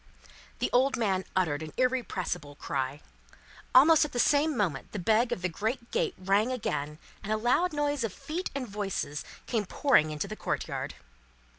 The old man uttered an irrepressible cry. Almost at the same moment, the bell of the great gate rang again, and a loud noise of feet and voices came pouring into the courtyard.